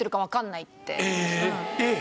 えっ？